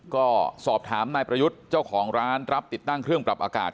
ก็สอบถามนายประยุทธ์เจ้าของร้านรับติดตั้งเครื่องปรับอากาศ